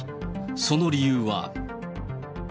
その理由は。